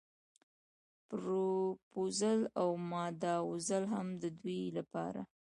پروپوزل او ماداوزل هم د دوی لپاره.